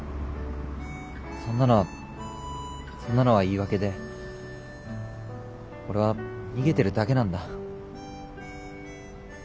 そんなのはそんなのは言い訳で俺は逃げてるだけなんだ。